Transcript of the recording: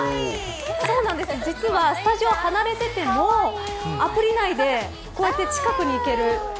実はスタジオ離れていてもアプリ内で近くに行ける。